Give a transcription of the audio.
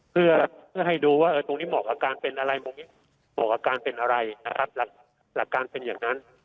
เพื่อให้ดูว่าตรงนี้เหมาะกับการเป็นอะไรหลักการเป็นอย่างนั้น